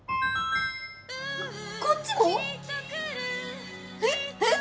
こっちも⁉えっ？えっ？